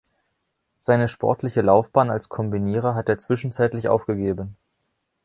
Seine sportliche Laufbahn als Kombinierer hat er zwischenzeitlich aufgegeben.